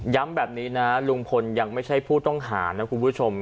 แบบนี้นะลุงพลยังไม่ใช่ผู้ต้องหานะคุณผู้ชม